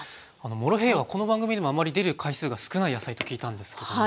モロヘイヤはこの番組でもあまり出る回数が少ない野菜と聞いたんですけども。